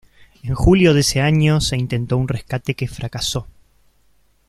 En julio de ese año se intentó un rescate que fracasó.